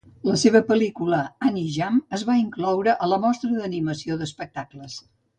La seva pel·lícula "Anijam" es va incloure a la Mostra d'Animació d'Espectacles.